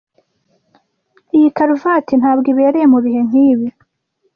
Iyi karuvati ntabwo ibereye mubihe nkibi.